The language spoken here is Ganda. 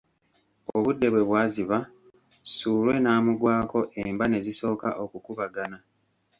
Obudde bwe bwaziba, ssuulwe n'amugwako emba ne zisooka okukubagana.